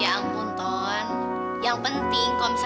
yang penting kalau misalnya kamu tuh mau bikin rawat mawar